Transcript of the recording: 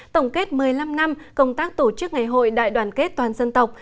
tổng kết một mươi năm năm công tác tổ chức ngày hội đại đoàn kết toàn dân tộc